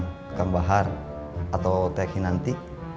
kang kang bahar atau tehkinanti